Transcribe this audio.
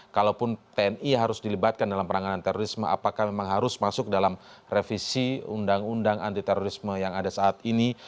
kalaupun tni harus dilibatkan dalam penanganan terorisme apakah memang harus masuk dalam revisi undang undang anti terorisme yang ada saat ini